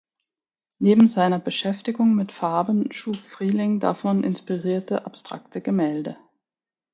Neben seiner Beschäftigung mit Farben schuf Frieling davon inspirierte abstrakte Gemälde.